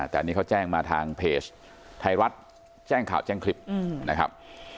แต่อันนี้เขาแจ้งมาทางเพจไทยรัฐแจ้งข่าวแจ้งคลิปนะครับ